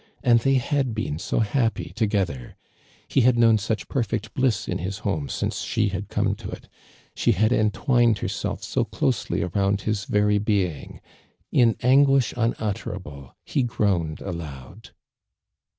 And they had been so happy together ! He had known such perfect bli«s in his home since she luul come to it — she had entwined herself so closely aroimd hi'i very being ! In anguish unutterable he groaned aloud.